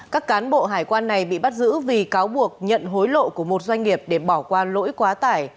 các cán bộ hải quan này bị bắt giữ vì cáo buộc nhận hối lộ của một doanh nghiệp để bỏ qua lỗi quá tải